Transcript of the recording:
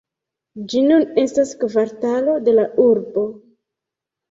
Ĝi nun estas kvartalo de la urbo.